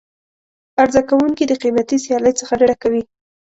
عرضه کوونکي د قیمتي سیالۍ څخه ډډه کوي.